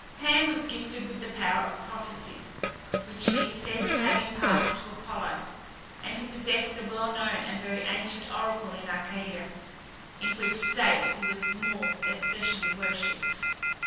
Pan was gifted with the power of prophecy, which he is said to have imparted to Apollo, and he possessed a well known and very ancient oracle in Arcadia, in which state he was more especially worshipped.